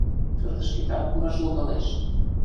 — Пӧртышкетак пураш логалеш!